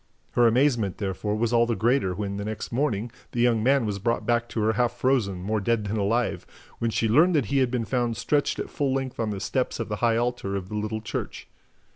Her amazement, therefore, was all the greater when, the next morning, the young man was brought back to her half frozen, more dead than alive, and when she learned that he had been found stretched at full length on the steps of the high altar of the little church.